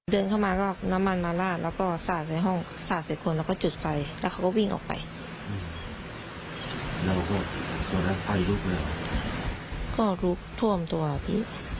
คิดว่าถึงเขาเมาหรือเขาต้องการอะไร